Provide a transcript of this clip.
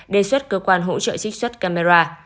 đề xuất cơ quan hỗ trợ trích xuất camera